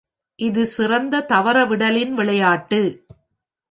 இது சிறந்த தவறவிடலின் விளையாட்டு.